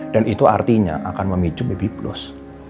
dan itu artinya akan memicu baby blues